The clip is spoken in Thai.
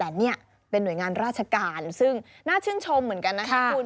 แต่นี่เป็นหน่วยงานราชการซึ่งน่าชื่นชมเหมือนกันนะคะคุณ